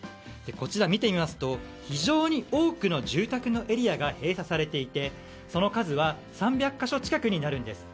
こちらを見てみますと非常に多くの住宅のエリアが閉鎖されていてその数は３００か所近くになるんです。